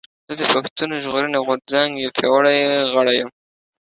زه د پشتون ژغورنې غورځنګ يو پياوړي غړی یم